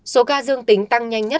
số ca dương tính tăng nhanh nhất